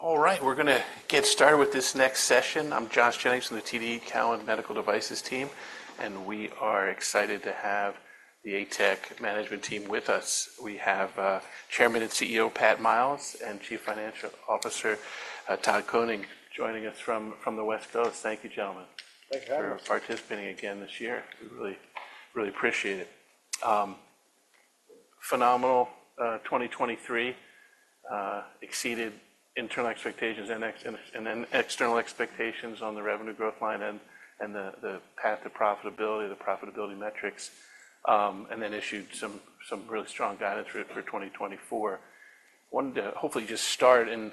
All right, we're going to get started with this next session. I'm Josh Jennings from the TD Cowen Medical Devices team, and we are excited to have the ATEC management team with us. We have Chairman and CEO Pat Miles and Chief Financial Officer Todd Koning joining us from the West Coast. Thank you, gentlemen. Thanks for having me. For participating again this year. We really, really appreciate it. Phenomenal 2023. Exceeded internal expectations and then external expectations on the revenue growth line and the path to profitability, the profitability metrics, and then issued some really strong guidance for 2024. Wanted to hopefully just start and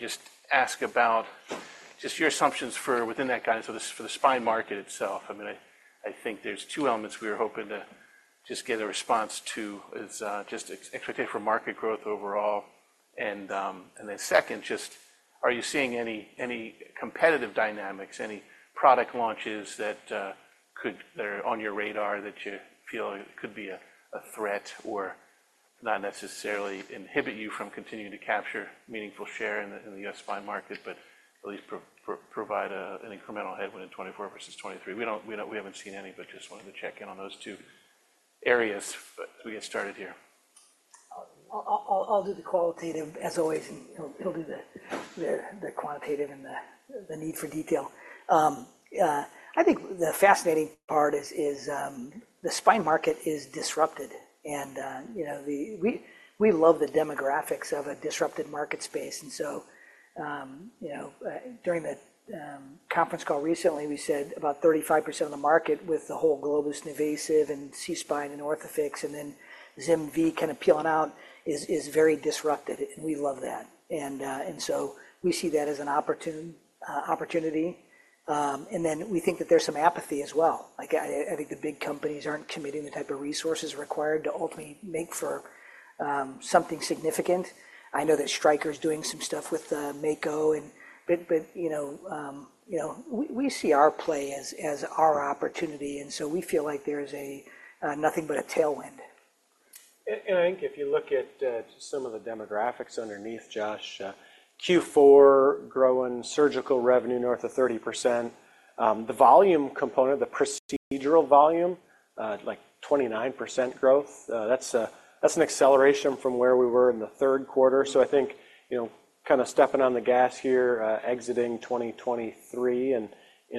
just ask about just your assumptions within that guidance for the spine market itself. I mean, I think there's two elements we were hoping to just get a response to is just expectation for market growth overall. And then second, just are you seeing any competitive dynamics, any product launches that are on your radar that you feel could be a threat or not necessarily inhibit you from continuing to capture meaningful share in the U.S. spine market, but at least provide an incremental headwind in 2024 versus 2023? We haven't seen any, but just wanted to check in on those two areas as we get started here. I'll do the qualitative as always, and he'll do the quantitative and the need for detail. I think the fascinating part is the spine market is disrupted. We love the demographics of a disrupted market space. So during the conference call recently, we said about 35% of the market with the whole Globus NuVasive and SeaSpine and Orthofix and then ZimVie kind of peeling out is very disrupted. We love that. So we see that as an opportunity. Then we think that there's some apathy as well. I think the big companies aren't committing the type of resources required to ultimately make for something significant. I know that Stryker is doing some stuff with Mako, but we see our play as our opportunity. So we feel like there's nothing but a tailwind. I think if you look at some of the demographics underneath, Josh Jennings, Q4 growing surgical revenue north of 30%. The volume component, the procedural volume, like 29% growth, that's an acceleration from where we were in the Q3. So I think kind of stepping on the gas here, exiting 2023 in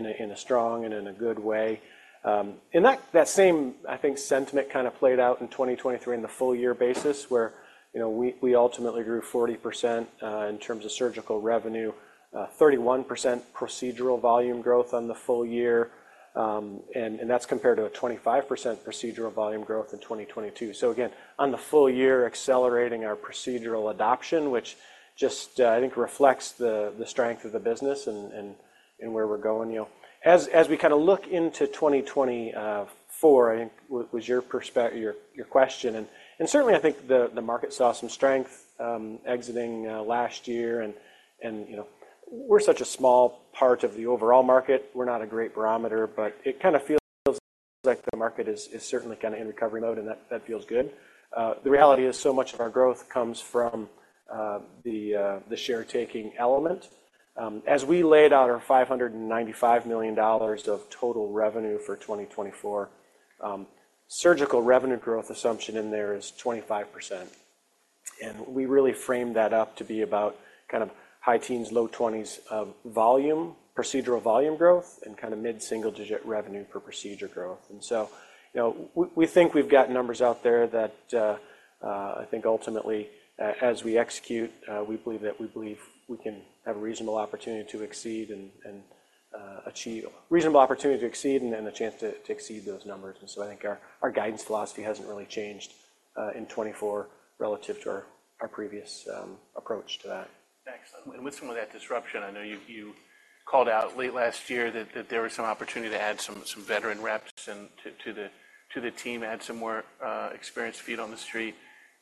a strong and in a good way. And that same, I think, sentiment kind of played out in 2023 on the full-year basis where we ultimately grew 40% in terms of surgical revenue, 31% procedural volume growth on the full-year. And that's compared to a 25% procedural volume growth in 2022. So again, on the full-year, accelerating our procedural adoption, which just I think reflects the strength of the business and where we're going. As we kind of look into 2024, I think, was your question. Certainly, I think the market saw some strength exiting last year. We're such a small part of the overall market. We're not a great barometer, but it kind of feels like the market is certainly kind of in recovery mode, and that feels good. The reality is so much of our growth comes from the share-taking element. As we laid out our $595 million of total revenue for 2024, surgical revenue growth assumption in there is 25%. We really framed that up to be about kind of high-teens-low 20s% of volume, procedural volume growth, and kind of mid-single-digit revenue per procedure growth. We think we've got numbers out there that I think ultimately, as we execute, we believe that we believe we can have a reasonable opportunity to exceed and achieve a reasonable opportunity to exceed and a chance to exceed those numbers. I think our guidance philosophy hasn't really changed in 2024 relative to our previous approach to that. Excellent. And with some of that disruption, I know you called out late last year that there was some opportunity to add some veteran reps to the team, add some more experienced feet on the street.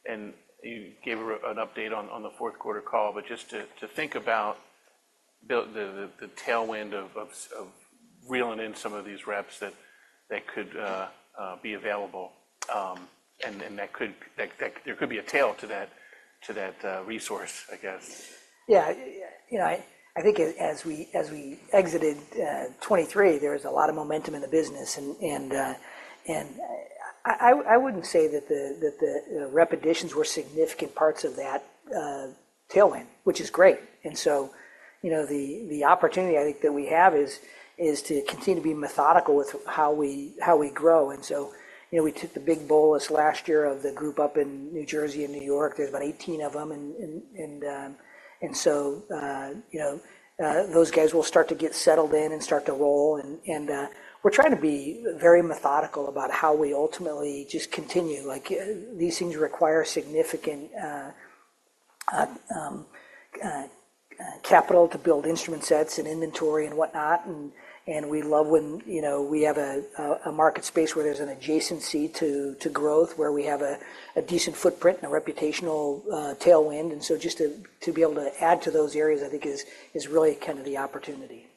And you gave an update on the Q4 call. But just to think about the tailwind of reeling in some of these reps that could be available, and there could be a tail to that resource, I guess. Yeah. I think as we exited 2023, there was a lot of momentum in the business. I wouldn't say that the rep additions were significant parts of that tailwind, which is great. The opportunity, I think, that we have is to continue to be methodical with how we grow. We took the big bolus last year of the group up in New Jersey and New York. There's about 18 of them. Those guys will start to get settled in and start to roll. We're trying to be very methodical about how we ultimately just continue. These things require significant capital to build instrument sets and inventory and whatnot. We love when we have a market space where there's an adjacency to growth, where we have a decent footprint and a reputational tailwind. And so just to be able to add to those areas, I think, is really kind of the opportunity.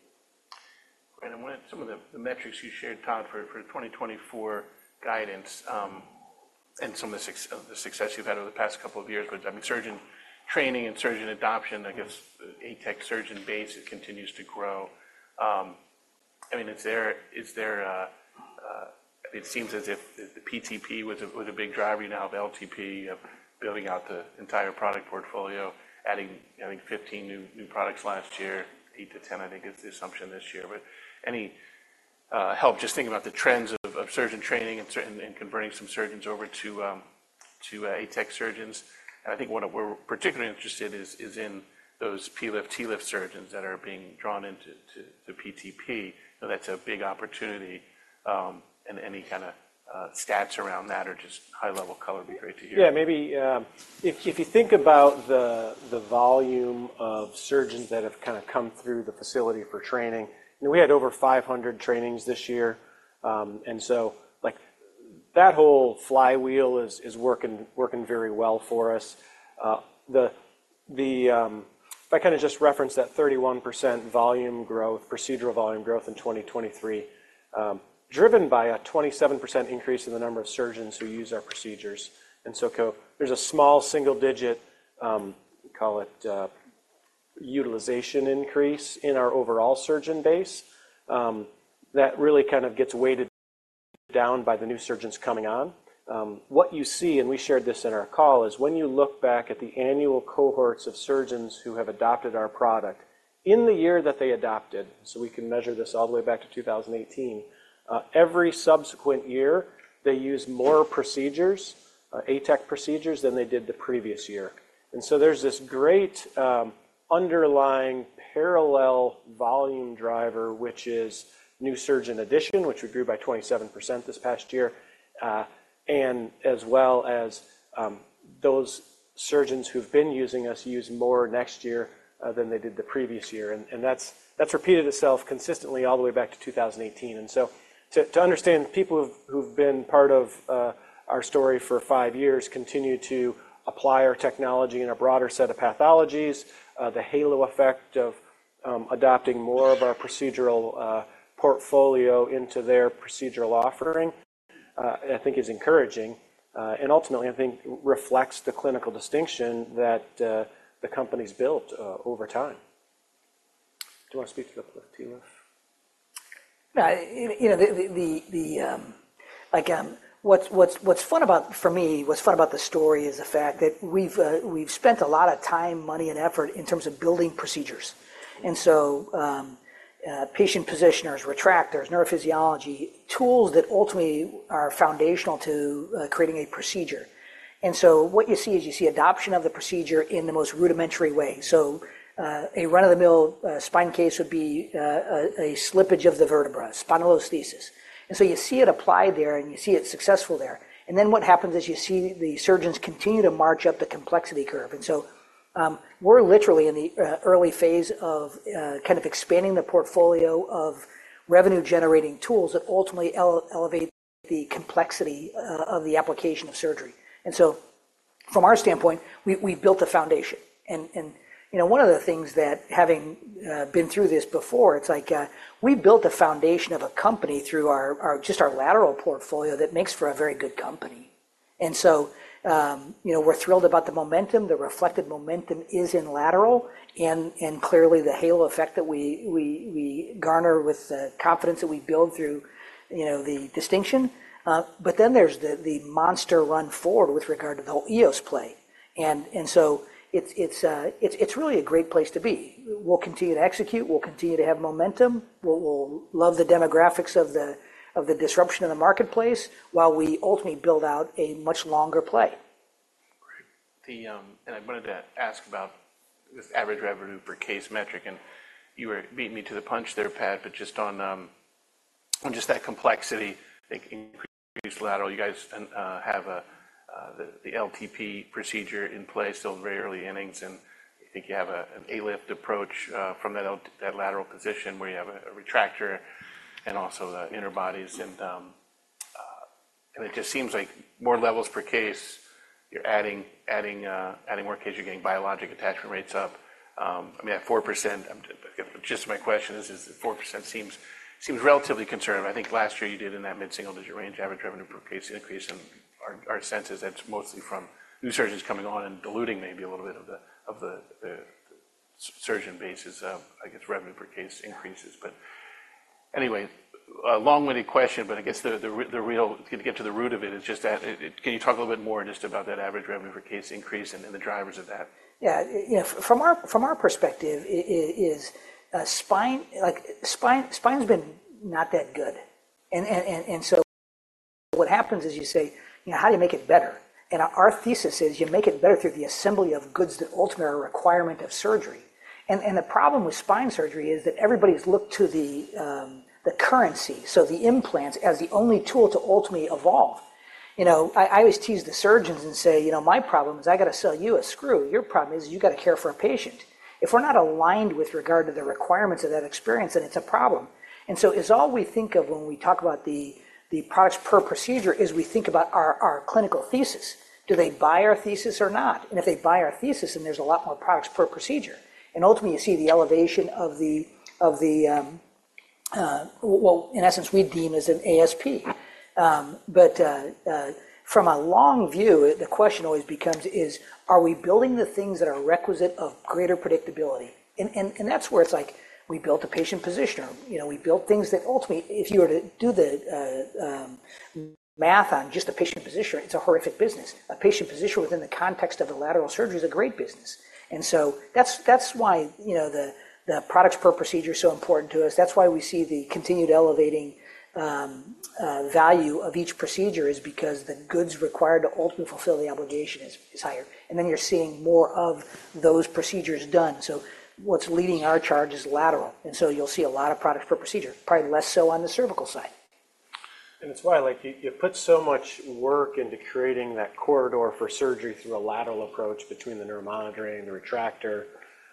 Great. And some of the metrics you shared, Todd Koning, for 2024 guidance and some of the success you've had over the past couple of years, but I mean, surgeon training and surgeon adoption, I guess, the ATEC surgeon base continues to grow. I mean, it's there. I mean, it seems as if the PTP was a big driver. You now have LTP of building out the entire product portfolio, adding, I think, 15 new products last year, eight to 10, I think, is the assumption this year. But any help? Just thinking about the trends of surgeon training and converting some surgeons over to ATEC surgeons. And I think what we're particularly interested is in those PLIF, TLIF surgeons that are being drawn into PTP. That's a big opportunity. And any kind of stats around that or just high-level color would be great to hear. Yeah. Maybe if you think about the volume of surgeons that have kind of come through the facility for training, we had over 500 trainings this year. So that whole flywheel is working very well for us. If I kind of just reference that 31% volume growth, procedural volume growth in 2023, driven by a 27% increase in the number of surgeons who use our procedures. So there's a small single-digit, call it utilization increase in our overall surgeon base that really kind of gets weighted down by the new surgeons coming on. What you see, and we shared this in our call, is when you look back at the annual cohorts of surgeons who have adopted our product, in the year that they adopted so we can measure this all the way back to 2018, every subsequent year, they use more procedures, ATEC procedures, than they did the previous year. So there's this great underlying parallel volume driver, which is new surgeon addition, which we grew by 27% this past year, as well as those surgeons who've been using us use more next year than they did the previous year. That's repeated itself consistently all the way back to 2018. So to understand, people who've been part of our story for five years continue to apply our technology in a broader set of pathologies. The halo effect of adopting more of our procedural portfolio into their procedural offering, I think, is encouraging. Ultimately, I think, reflects the clinical distinction that the company's built over time. Do you want to speak to the TLIF? Yeah. What's fun about for me, what's fun about the story is the fact that we've spent a lot of time, money, and effort in terms of building procedures. And so Patient Positioners, retractors, neurophysiology, tools that ultimately are foundational to creating a procedure. And so what you see is you see adoption of the procedure in the most rudimentary way. So a run-of-the-mill spine case would be a slippage of the vertebra, spondylolisthesis. And so you see it applied there, and you see it successful there. And then what happens is you see the surgeons continue to march up the complexity curve. And so we're literally in the early phase of kind of expanding the portfolio of revenue-generating tools that ultimately elevate the complexity of the application of surgery. And so from our standpoint, we've built a foundation. One of the things that, having been through this before, it's like we built a foundation of a company through just our lateral portfolio that makes for a very good company. So we're thrilled about the momentum. The reflected momentum is in lateral. And clearly, the halo effect that we garner with the confidence that we build through the distinction. But then there's the monster run forward with regard to the whole EOS play. And so it's really a great place to be. We'll continue to execute. We'll continue to have momentum. We'll love the demographics of the disruption in the marketplace while we ultimately build out a much longer play. Great. I wanted to ask about this average revenue per case metric. You were beating me to the punch there, Pat Miles, but just on that complexity, increased lateral. You guys have the LTP procedure in place, still in very early innings. I think you have an ALIF approach from that lateral position where you have a retractor and also the interbodies. It just seems like more levels per case, you're adding more cases, you're getting biologic attachment rates up. I mean, at 4%, just my question is, is the 4% seems relatively concerning. I think last year you did in that mid-single-digit range, average revenue per case increase. Our sense is that's mostly from new surgeons coming on and diluting maybe a little bit of the surgeon bases, I guess, revenue per case increases. But anyway, long-winded question, but I guess the real to get to the root of it is just that can you talk a little bit more just about that average revenue per case increase and the drivers of that? Yeah. From our perspective, the spine's been not that good. And so what happens is you say, "How do you make it better?" And our thesis is you make it better through the assembly of goods that ultimately are a requirement of surgery. And the problem with spine surgery is that everybody's looked to the currency, so the implants, as the only tool to ultimately evolve. I always tease the surgeons and say, "My problem is I got to sell you a screw. Your problem is you got to care for a patient." If we're not aligned with regard to the requirements of that experience, then it's a problem. And so all we think of when we talk about the products per procedure is we think about our clinical thesis. Do they buy our thesis or not? If they buy our thesis, then there's a lot more products per procedure. And ultimately, you see the elevation of the what, in essence, we deem as an ASP. But from a long view, the question always becomes, are we building the things that are a requisite of greater predictability? And that's where it's like we built a Patient Positioner. We built things that ultimately, if you were to do the math on just a Patient Positioner, it's a horrific business. A Patient Positioner within the context of a lateral surgery is a great business. And so that's why the products per procedure is so important to us. That's why we see the continued elevating value of each procedure is because the goods required to ultimately fulfill the obligation is higher. And then you're seeing more of those procedures done. So what's leading our charge is lateral. And so you'll see a lot of products per procedure, probably less so on the cervical side. It's why you put so much work into creating that corridor for surgery through a lateral approach between the neuromonitoring, the retractor,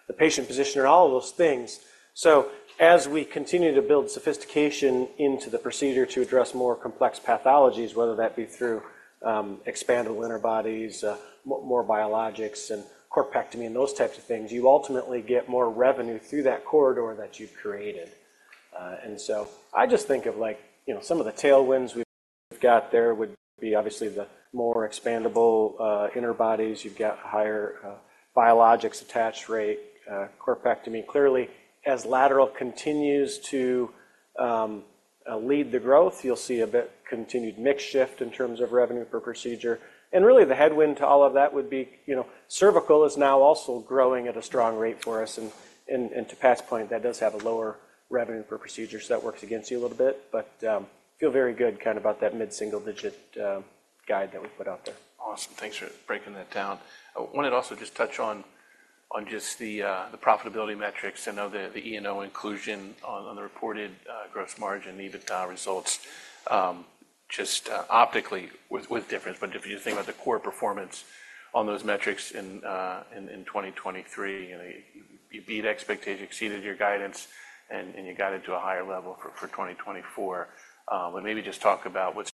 the Patient Positioner, all of those things. As we continue to build sophistication into the procedure to address more complex pathologies, whether that be through expandable interbodies, more biologics, and corpectomy and those types of things, you ultimately get more revenue through that corridor that you've created. I just think some of the tailwinds we've got there would be, obviously, the more expandable interbodies. You've got higher biologics attach rate, corpectomy. Clearly, as lateral continues to lead the growth, you'll see a continued mix shift in terms of revenue per procedure. Really, the headwind to all of that would be cervical is now also growing at a strong rate for us. To Pat Miles's point, that does have a lower revenue per procedure, so that works against you a little bit. But feel very good kind of about that mid-single-digit guide that we put out there. Awesome. Thanks for breaking that down. I wanted to also just touch on just the profitability metrics and know the E&O inclusion on the reported gross margin EBITDA results just optically with difference. If you think about the core performance on those metrics in 2023, you beat expectations, exceeded your guidance, and you got it to a higher level for 2024. Maybe just talk about what's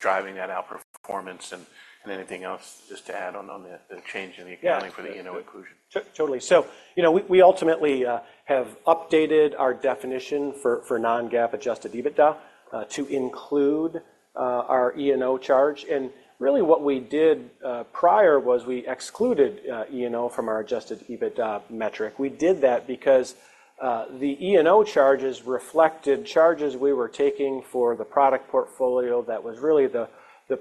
driving that outperformance and anything else just to add on the change in the accounting for the E&O inclusion. Yeah. Totally. So we ultimately have updated our definition for non-GAAP Adjusted EBITDA to include our E&O charge. And really, what we did prior was we excluded E&O from our Adjusted EBITDA metric. We did that because the E&O charges reflected charges we were taking for the product portfolio that was really the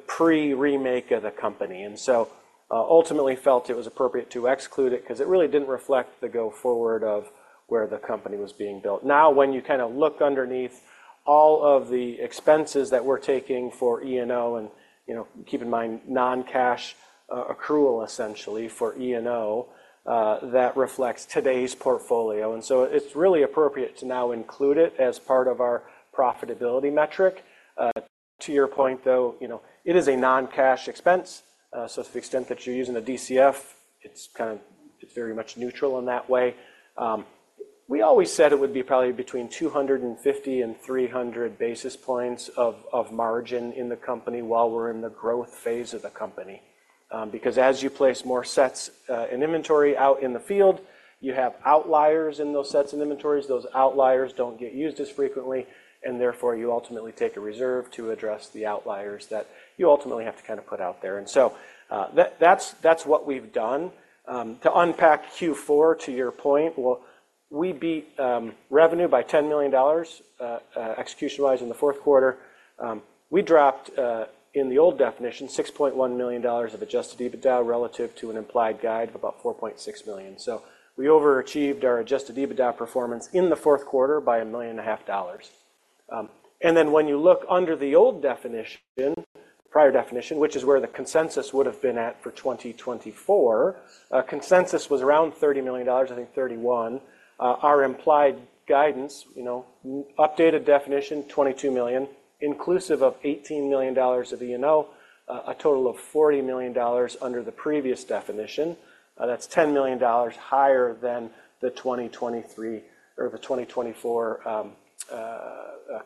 pre-remake of the company and so ultimately felt it was appropriate to exclude it because it really didn't reflect the go-forward of where the company was being built. Now, when you kind of look underneath all of the expenses that we're taking for E&O and keep in mind non-cash accrual, essentially, for E&O, that reflects today's portfolio. And so it's really appropriate to now include it as part of our profitability metric. To your point, though, it is a non-cash expense. So to the extent that you're using a DCF, it's very much neutral in that way. We always said it would be probably between 250 basis points-300 basis points of margin in the company while we're in the growth phase of the company. Because as you place more sets in inventory out in the field, you have outliers in those sets in inventories. Those outliers don't get used as frequently. And therefore, you ultimately take a reserve to address the outliers that you ultimately have to kind of put out there. And so that's what we've done. To unpack Q4, to your point, we beat revenue by $10 million execution-wise in theQ4. We dropped, in the old definition, $6.1 million of adjusted EBITDA relative to an implied guide of about $4.6 million. So we overachieved our adjusted EBITDA performance in the Q4 by $1.5 million. And then when you look under the old definition, prior definition, which is where the consensus would have been at for 2024, consensus was around $30 million, I think $31 million. Our implied guidance, updated definition, $22 million, inclusive of $18 million of E&O, a total of $40 million under the previous definition. That's $10 million higher than the 2023 or the 2024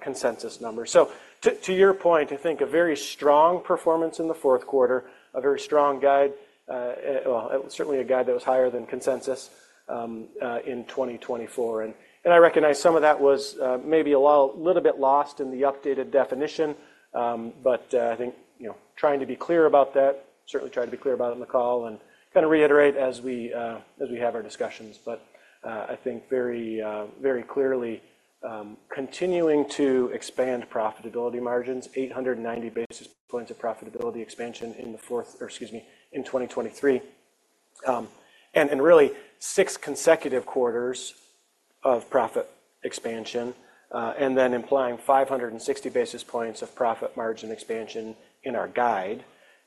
consensus numbers. So to your point, I think a very strong performance in the Q4, a very strong guide, well, certainly a guide that was higher than consensus in 2024. And I recognize some of that was maybe a little bit lost in the updated definition. But I think trying to be clear about that, certainly try to be clear about it in the call and kind of reiterate as we have our discussions. I think very clearly continuing to expand profitability margins, 890 basis points of profitability expansion in the fourth or excuse me, in 2023. Really, six consecutive quarters of profit expansion and then implying 560 basis points of profit margin expansion in our guide.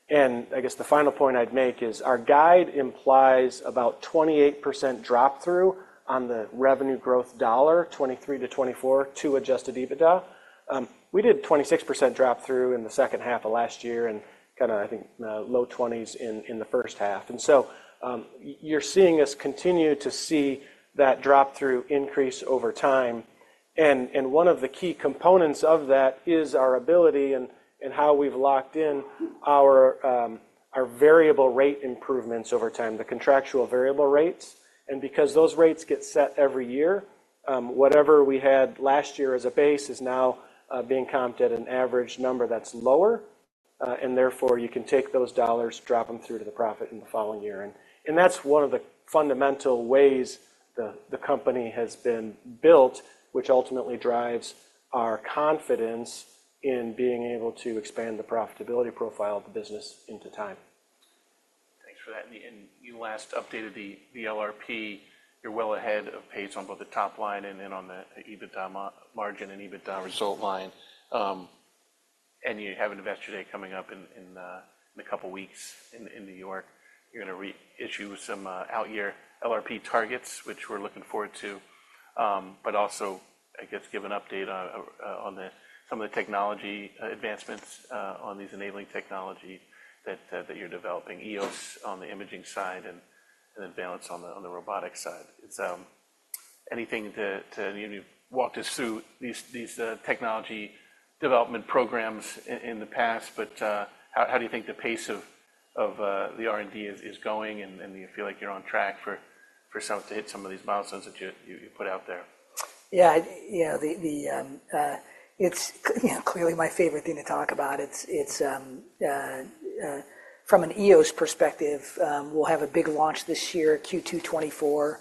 I guess the final point I'd make is our guide implies about 28% drop-through on the revenue growth dollar, 2023-2024, to Adjusted EBITDA. We did 26% drop-through in the second half of last year and kind of, I think, low 20s% in the H1. So you're seeing us continue to see that drop-through increase over time. One of the key components of that is our ability and how we've locked in our variable rate improvements over time, the contractual variable rates. Because those rates get set every year, whatever we had last year as a base is now being comped at an average number that's lower. Therefore, you can take those dollars, drop them through to the profit in the following year. That's one of the fundamental ways the company has been built, which ultimately drives our confidence in being able to expand the profitability profile of the business into time. Thanks for that. You last updated the LRP. You're well ahead of Pace on both the top line and on the EBITDA margin and EBITDA result line. You have an investor day coming up in a couple of weeks in New York. You're going to reissue some out-year LRP targets, which we're looking forward to. But also, I guess, give an update on some of the technology advancements on these enabling technologies that you're developing, EOS on the imaging side and then Valence on the robotics side. Anything to walk us through these technology development programs in the past, but how do you think the pace of the R&D is going? And do you feel like you're on track for to hit some of these milestones that you put out there? Yeah. It's clearly my favorite thing to talk about. From an EOS perspective, we'll have a big launch this year, Q2 2024.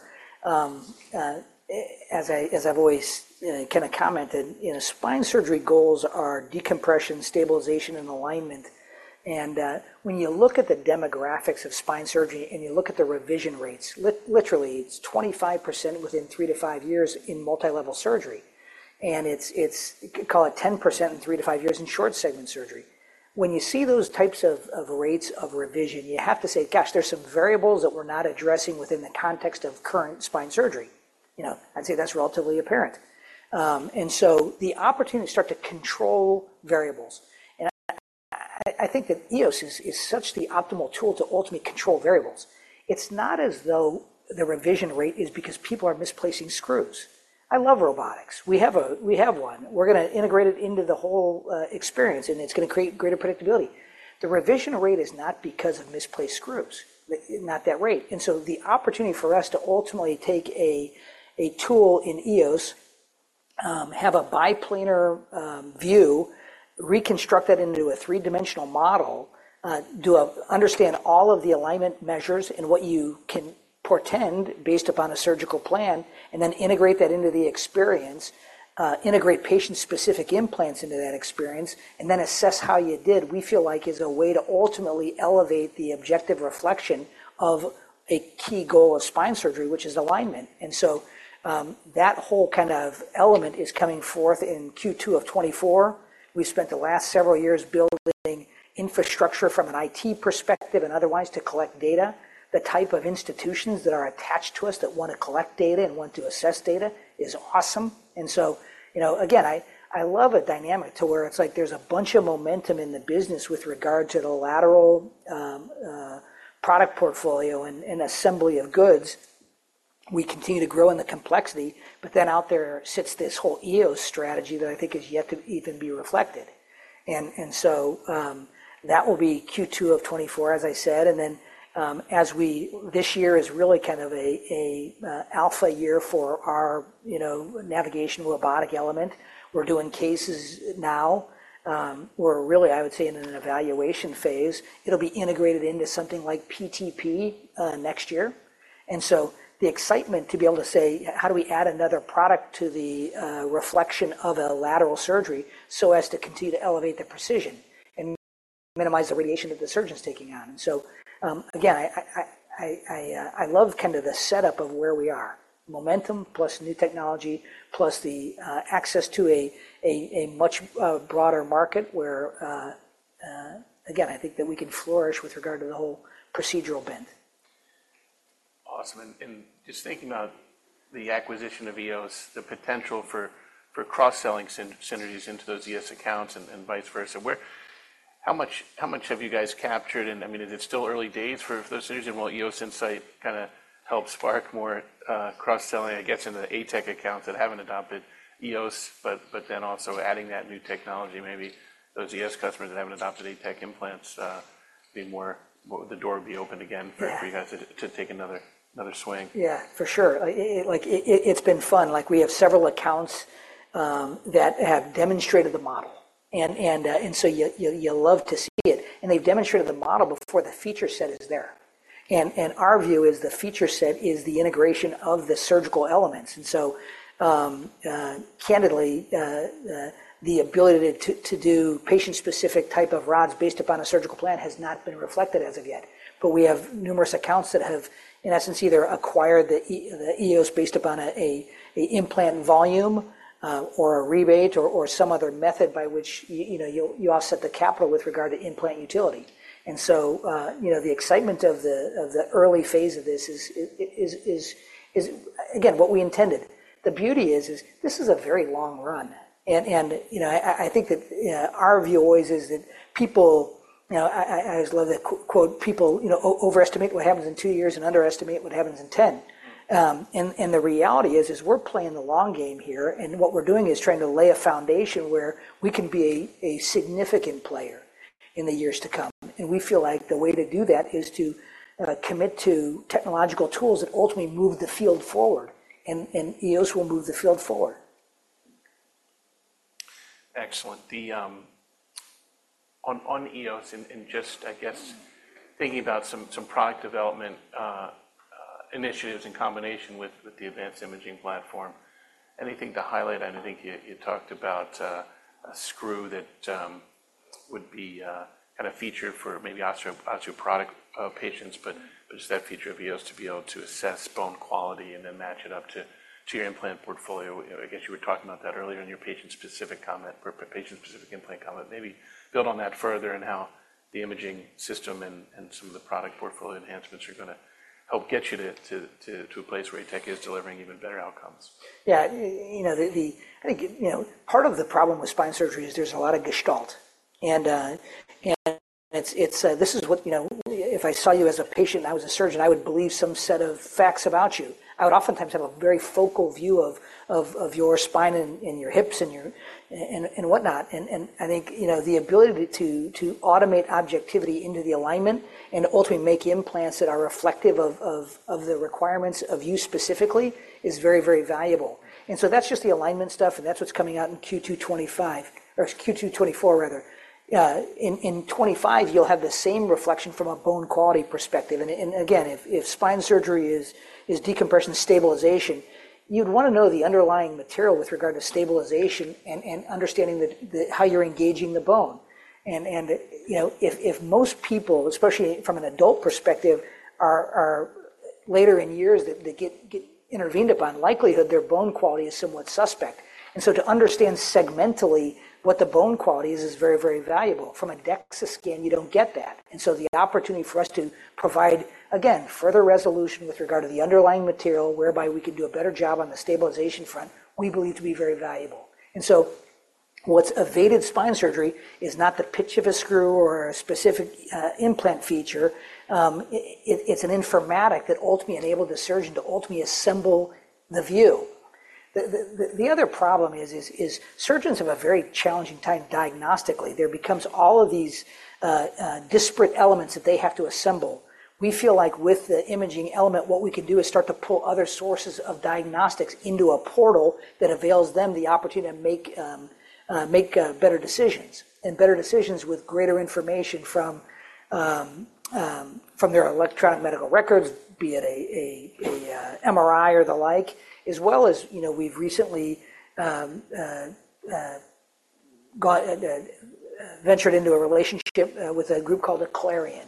As I've always kind of commented, spine surgery goals are decompression, stabilization, and alignment. And when you look at the demographics of spine surgery and you look at the revision rates, literally, it's 25% within three years-five years in multilevel surgery. And call it 10% in three years-five years in short-segment surgery. When you see those types of rates of revision, you have to say, "Gosh, there's some variables that we're not addressing within the context of current spine surgery." I'd say that's relatively apparent. And so the opportunity to start to control variables. And I think that EOS is such the optimal tool to ultimately control variables. It's not as though the revision rate is because people are misplacing screws. I love robotics. We have one. We're going to integrate it into the whole experience, and it's going to create greater predictability. The revision rate is not because of misplaced screws, not that rate. And so the opportunity for us to ultimately take a tool in EOS, have a biplanar view, reconstruct that into a three-dimensional model, understand all of the alignment measures and what you can portend based upon a surgical plan, and then integrate that into the experience, integrate patient-specific implants into that experience, and then assess how you did, we feel like, is a way to ultimately elevate the objective reflection of a key goal of spine surgery, which is alignment. And so that whole kind of element is coming forth in Q2 of 2024. We've spent the last several years building infrastructure from an IT perspective and otherwise to collect data. The type of institutions that are attached to us that want to collect data and want to assess data is awesome. And so again, I love a dynamic to where it's like there's a bunch of momentum in the business with regard to the lateral product portfolio and assembly of goods. We continue to grow in the complexity. But then out there sits this whole EOS strategy that I think has yet to even be reflected. And so that will be Q2 of 2024, as I said. And then this year is really kind of an alpha year for our navigation robotic element. We're doing cases now. We're really, I would say, in an evaluation phase. It'll be integrated into something like PTP next year. And so the excitement to be able to say, "How do we add another product to the reflection of a lateral surgery so as to continue to elevate the precision and minimize the radiation that the surgeon's taking on?" And so again, I love kind of the setup of where we are, momentum plus new technology plus the access to a much broader market where, again, I think that we can flourish with regard to the whole procedural bent. Awesome. Just thinking about the acquisition of EOS, the potential for cross-selling synergies into those EOS accounts and vice versa, how much have you guys captured? I mean, is it still early days for those synergies? Will EOS Insight kind of help spark more cross-selling, I guess, into the ATEC accounts that haven't adopted EOS but then also adding that new technology, maybe those EOS customers that haven't adopted ATEC implants being more the door would be opened again for you guys to take another swing? Yeah, for sure. It's been fun. We have several accounts that have demonstrated the model. And so you love to see it. And they've demonstrated the model before the feature set is there. And our view is the feature set is the integration of the surgical elements. And so candidly, the ability to do patient-specific type of rods based upon a surgical plan has not been reflected as of yet. But we have numerous accounts that have, in essence, either acquired the EOS based upon an implant volume or a rebate or some other method by which you offset the capital with regard to implant utility. And so the excitement of the early phase of this is, again, what we intended. The beauty is this is a very long-run. I think that our view always is that people, I always love the quote, "People overestimate what happens in two years and underestimate what happens in 10." The reality is we're playing the long game here. What we're doing is trying to lay a foundation where we can be a significant player in the years to come. We feel like the way to do that is to commit to technological tools that ultimately move the field forward. EOS will move the field forward. Excellent. On EOS and just, I guess, thinking about some product development initiatives in combination with the advanced imaging platform, anything to highlight? And I think you talked about a screw that would be kind of featured for maybe osteoporotic patients, but just that feature of EOS to be able to assess bone quality and then match it up to your implant portfolio. I guess you were talking about that earlier in your patient-specific implant comment. Maybe build on that further and how the imaging system and some of the product portfolio enhancements are going to help get you to a place where ATEC is delivering even better outcomes. Yeah. I think part of the problem with spine surgery is there's a lot of gestalt. And this is what if I saw you as a patient and I was a surgeon, I would believe some set of facts about you. I would oftentimes have a very focal view of your spine and your hips and whatnot. And I think the ability to automate objectivity into the alignment and ultimately make implants that are reflective of the requirements of you specifically is very valuable. And so that's just the alignment stuff. And that's what's coming out in Q2 2025 or Q2 2024, rather. In 2025, you'll have the same reflection from a bone quality perspective. And again, if spine surgery is decompression stabilization, you'd want to know the underlying material with regard to stabilization and understanding how you're engaging the bone. And if most people, especially from an adult perspective, are later in years that they get intervened upon, likelihood their bone quality is somewhat suspect. And so to understand segmentally what the bone quality is is very valuable. From a DEXA scan, you don't get that. And so the opportunity for us to provide, again, further resolution with regard to the underlying material whereby we can do a better job on the stabilization front, we believe to be very valuable. And so what's evaded spine surgery is not the pitch of a screw or a specific implant feature. It's an informatic that ultimately enabled the surgeon to ultimately assemble the view. The other problem is surgeons have a very challenging time diagnostically. There becomes all of these disparate elements that they have to assemble. We feel like with the imaging element, what we can do is start to pull other sources of diagnostics into a portal that avails them the opportunity to make better decisions and better decisions with greater information from their electronic medical records, be it an MRI or the like, as well as we've recently ventured into a relationship with a group called Aclarion.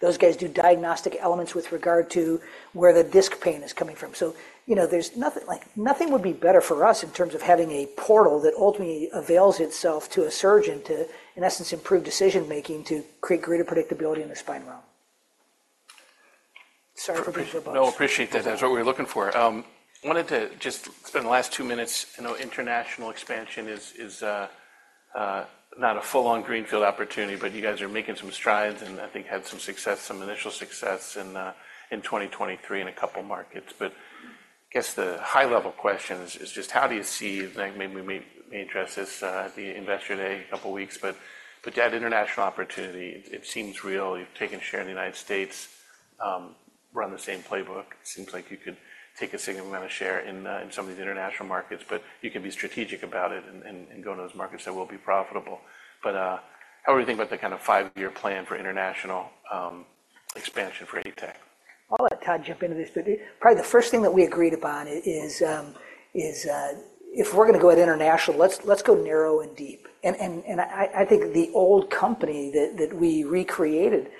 Those guys do diagnostic elements with regard to where the disc pain is coming from. So nothing would be better for us in terms of having a portal that ultimately avails itself to a surgeon to, in essence, improve decision-making to create greater predictability in the spine realm. Sorry for being so bold. No, appreciate that. That's what we were looking for. Wanted to just spend the last two minutes. I know international expansion is not a full-on greenfield opportunity, but you guys are making some strides and I think had some initial success in 2023 in a couple of markets. But I guess the high-level question is just how do you see maybe we may address this at the investor day a couple of weeks. But yeah, international opportunity, it seems real. You've taken share in the United States, run the same playbook. It seems like you could take a significant amount of share in some of these international markets, but you can be strategic about it and go into those markets that will be profitable. But how are you thinking about the kind of five-year plan for international expansion for ATEC? I'll touch up into this. But probably the first thing that we agreed upon is if we're going to go at international, let's go narrow and deep. I think the old company that we recreated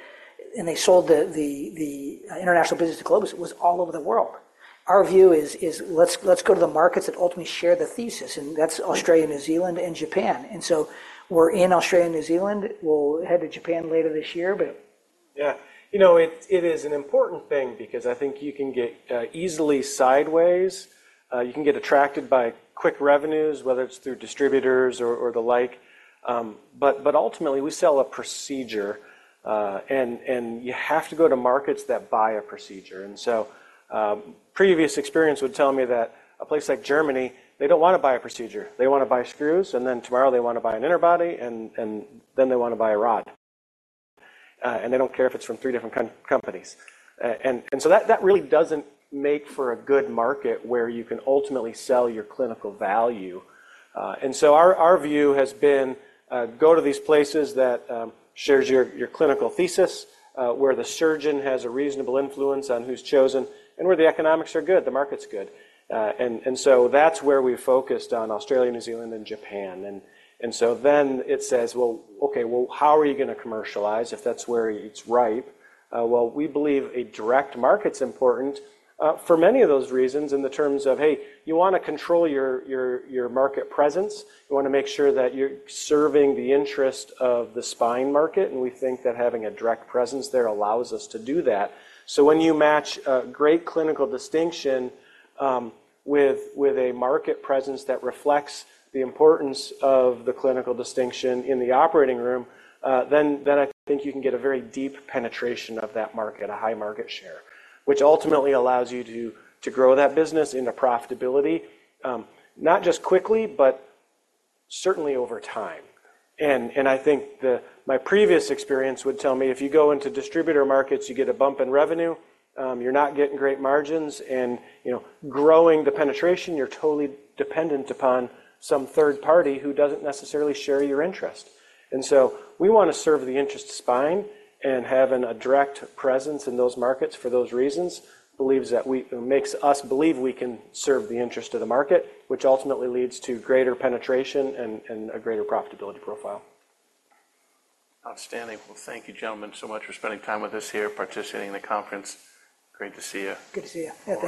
and they sold the international business to Globus was all over the world. Our view is let's go to the markets that ultimately share the thesis. That's Australia, New Zealand, and Japan. So we're in Australia, New Zealand. We'll head to Japan later this year, but. Yeah. It is an important thing because I think you can get easily sideways. You can get attracted by quick revenues, whether it's through distributors or the like. But ultimately, we sell a procedure, and you have to go to markets that buy a procedure. And so previous experience would tell me that a place like Germany, they don't want to buy a procedure. They want to buy screws, and then tomorrow, they want to buy an interbody, and then they want to buy a rod. And they don't care if it's from three different companies. And so that really doesn't make for a good market where you can ultimately sell your clinical value. And so our view has been go to these places that shares your clinical thesis, where the surgeon has a reasonable influence on who's chosen, and where the economics are good, the market's good. And so that's where we focused on Australia, New Zealand, and Japan. And so then it says, "Well, okay, well, how are you going to commercialize if that's where it's ripe?" Well, we believe a direct market's important for many of those reasons in the terms of, "Hey, you want to control your market presence. You want to make sure that you're serving the interest of the spine market. And we think that having a direct presence there allows us to do that." So when you match great clinical distinction with a market presence that reflects the importance of the clinical distinction in the operating room, then I think you can get a very deep penetration of that market, a high market share, which ultimately allows you to grow that business into profitability, not just quickly, but certainly over time. And I think my previous experience would tell me if you go into distributor markets, you get a bump in revenue. You're not getting great margins. And growing the penetration, you're totally dependent upon some third party who doesn't necessarily share your interest. And so we want to serve the interest of spine and have a direct presence in those markets for those reasons, believes that makes us believe we can serve the interest of the market, which ultimately leads to greater penetration and a greater profitability profile. Outstanding. Well, thank you, gentlemen, so much for spending time with us here, participating in the conference. Great to see you. Good to see you.